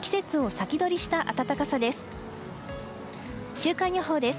週間予報です。